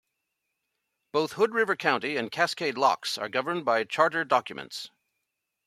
Both Hood River County and Cascade Locks are governed by charter documents.